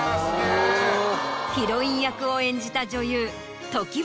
ヒロイン役を演じた。